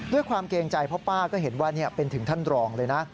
เกรงใจเพราะป้าก็เห็นว่าเป็นถึงท่านรองเลยนะ